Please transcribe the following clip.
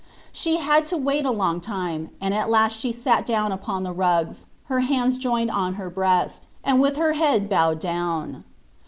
She had to wait a long time, and at last she sat down upon the rugs, her hands joined on her breast, and with her head bowed down.